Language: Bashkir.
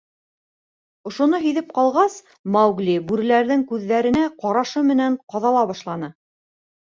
Ошоно һиҙеп ҡалғас, Маугли бүреләрҙең күҙҙәренә ҡарашы менән ҡаҙала башланы.